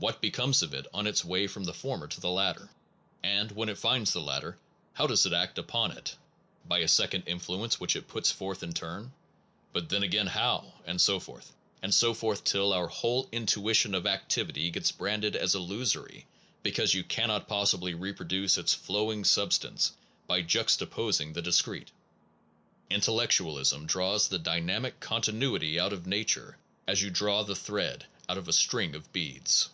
What becomes of it on its way from the former to the latter? And when it finds the latter, how does it act upon it? By a second influence which it puts forth in turn? But then again how? and so forth, and so forth till our whole intuition of activity gets branded as illusory because you cannot possibly reproduce its flowing substance by juxtaposing the dis crete. Intellectualism draws the dynamic con tinuity out of nature as you draw the thread out of a string of beads.